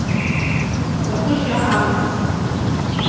Ҵәахышьа амамызт.